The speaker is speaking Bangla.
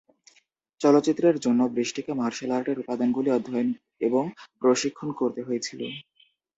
চলচ্চিত্রের জন্য, বৃষ্টিকে মার্শাল আর্টের উপাদানগুলি অধ্যয়ন এবং প্রশিক্ষণ করতে হয়েছিল।